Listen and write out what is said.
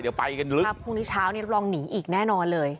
เดี๋ยวไปกันลึกครับพรุ่งนี้เช้านี้ลองหนีอีกแน่นอนเลย